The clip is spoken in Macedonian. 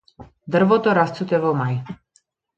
Дрвото расцуте во мај.